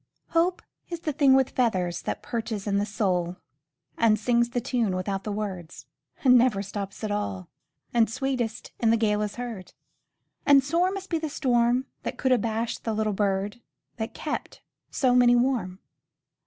Hope is the thing with feathers That perches in the soul, And sings the tune without the words, And never stops at all, And sweetest in the gale is heard; And sore must be the storm That could abash the little bird That kept so many warm.